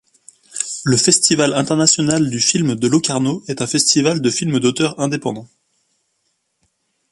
Le Festival international du film de Locarno est un festival de film d'auteurs indépendants.